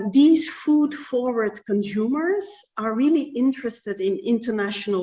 pembelian makanan ini sangat menarik dalam tren kuliner internasional